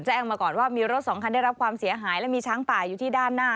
แจ้งมาก่อนว่ามีรถสองคันได้รับความเสียหายและมีช้างป่าอยู่ที่ด้านหน้า